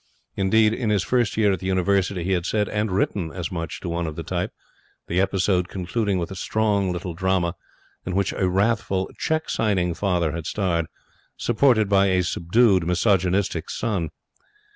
Indeed in his first year at the University he had said and written as much to one of the type, the episode concluding with a strong little drama, in which a wrathful, cheque signing father had starred, supported by a subdued, misogynistic son.